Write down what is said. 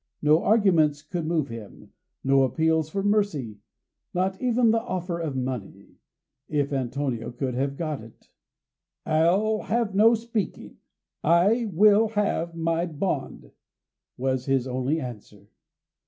No arguments could move him, no appeals for mercy not even the offer of the money, if Antonio could have got it. "I'll have no speaking; I will have my bond," was his only answer.